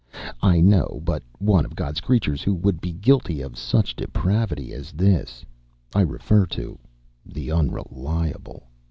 I know but one of God's creatures who would be guilty of such depravity as this: I refer to the Unreliable.